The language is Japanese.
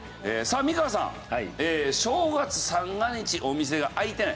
正月三が日お店が開いてない。